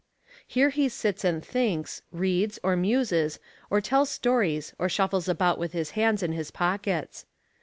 Here he sits and thinks, reads or muses or tells stories or shuffles about with his hands in his pockets.